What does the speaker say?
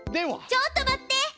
ちょっと待って！